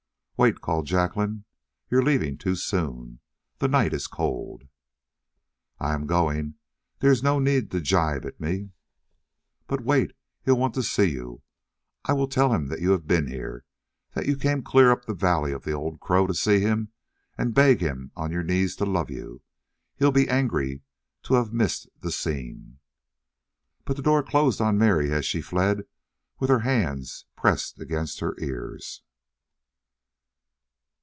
"Wait!" called Jacqueline. "You are leaving too soon. The night is cold." "I am going. There is no need to gibe at me." "But wait he will want to see you! I will tell him that you have been here that you came clear up the valley of the Old Crow to see him and beg him on your knees to love you he'll be angry to have missed the scene!" But the door closed on Mary as she fled with her hands pressed against her ears.